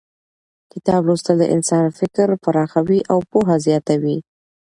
کتاب لوستل د انسان فکر پراخوي او پوهه زیاتوي